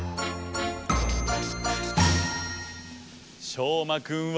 しょうまくんは。